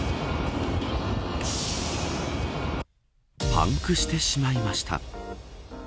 パンクしてしまいました。